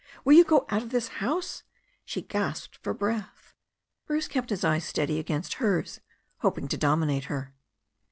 Will you go out of this house ?" She gasped for breath. Bruce kept his eyes steady against hers, hoping to domi nate her.